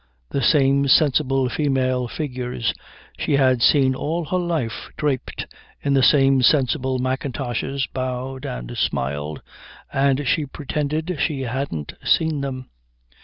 The same sensible female figures she had seen all her life draped in the same sensible mackintoshes bowed and smiled, and she pretended she hadn't seen them.